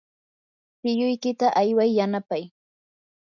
tiyuykita ayway yanapay.